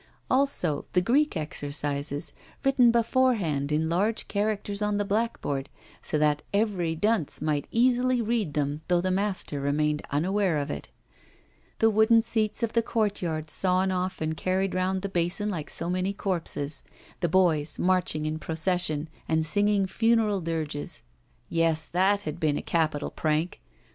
Also the Greek exercises, written beforehand in large characters on the blackboard, so that every dunce might easily read them though the master remained unaware of it; the wooden seats of the courtyard sawn off and carried round the basin like so many corpses, the boys marching in procession and singing funeral dirges. Yes! that had been a capital prank.